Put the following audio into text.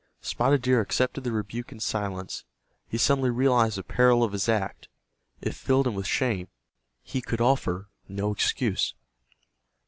Spotted Deer accepted the rebuke in silence. He suddenly realized the peril of his act. It filled him with shame. He could offer no excuse.